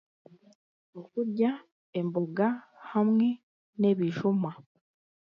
Okurya emboga hamwe n'ebijuma.